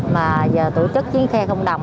mà giờ tổ chức chuyến xe không đồng